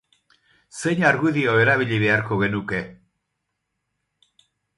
Zein argudio erabili beharko genuke?